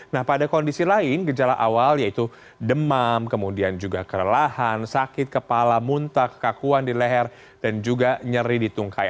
nah pada kondisi lain gejala awal yaitu demam kemudian juga kerelahan sakit kepala muntah kekakuan di leher dan juga nyeri di tungkai